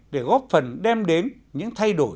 để góp phần đem đến những thay đổi